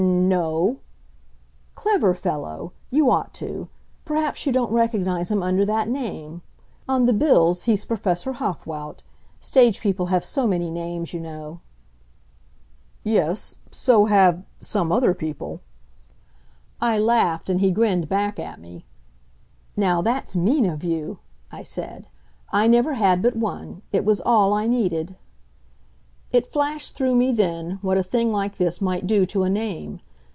"N no." "Clever fellow. You ought to. Perhaps you don't recognize him under that name. On the bills he's Professor Haughwout. Stage people have so many names, you know." "Yes, so have some other people." I laughed, and he grinned back at me. "Now that's mean of you," I said; "I never had but one. It was all I needed." It flashed through me then what a thing like this might do to a name.